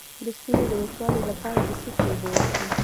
د ستوني د وچوالي لپاره د څه شي اوبه وڅښم؟